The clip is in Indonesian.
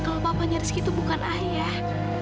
kalau bapaknya rizky itu bukan ayah